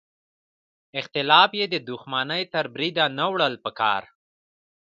اختلاف یې د دوښمنۍ تر بریده نه وړل پکار.